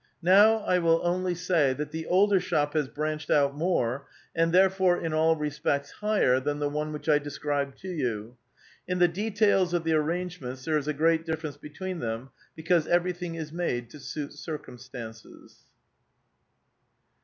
Now I will only say that the older shop has branched out more, and therefore in all respects higher, than the one which I described to you. In the details of the aiTangements there is a great difference between them, because everything is made to suit circum stances.